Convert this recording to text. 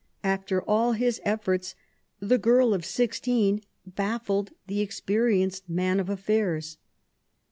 After all his efforts, the girl of sixteen baffled the experienced man of affairs.